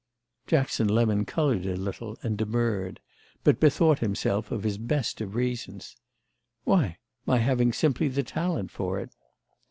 Jackson Lemon coloured a little and demurred, but bethought himself of his best of reasons. "Why, my having simply the talent for it."